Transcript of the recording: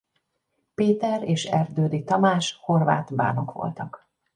Péter és Erdődy Tamás horvát bánok voltak.